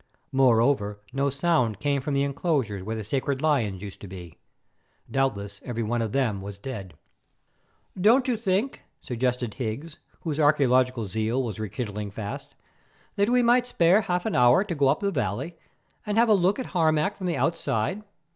Moreover, no sound came from the enclosures where the sacred lions used to be. Doubtless every one of them was dead. "Don't you think," suggested Higgs, whose archæological zeal was rekindling fast, "that we might spare half an hour to go up the valley and have a look at Harmac from the outside?